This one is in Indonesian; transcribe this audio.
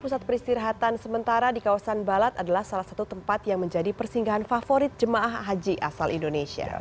pusat peristirahatan sementara di kawasan balat adalah salah satu tempat yang menjadi persinggahan favorit jemaah haji asal indonesia